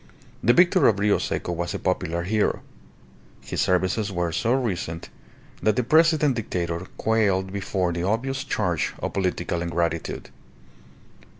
The victor of Rio Seco was a popular hero. His services were so recent that the President Dictator quailed before the obvious charge of political ingratitude.